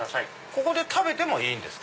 ここで食べてもいいんですか？